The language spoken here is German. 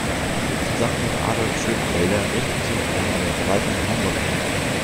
Zusammen mit Adolph Schönfelder richtete er eine Verwaltung in Hamburg ein.